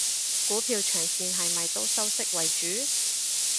股票長線係咪都收息為主？